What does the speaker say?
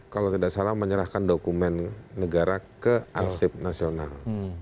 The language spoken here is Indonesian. kalau tidak salah menyerahkan dokumen negara ke arsip nasional